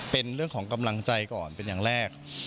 เป็นเรื่องของกำลังใจก่อนเป็นอย่างแรก